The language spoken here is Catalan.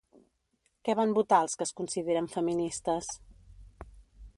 Què van votar els que es consideren feministes?